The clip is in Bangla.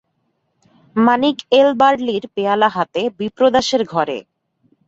মানিক এল বার্লির পেয়ালা হাতে বিপ্রদাসের ঘরে।